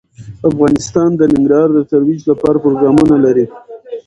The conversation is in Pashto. افغانستان د ننګرهار د ترویج لپاره پروګرامونه لري.